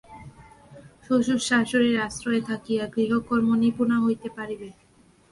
শ্বশুর-শাশুড়ীর আশ্রয়ে থাকিয়া গৃহকর্ম-নিপুণা হইতে পারিবে।